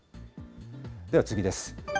では次です。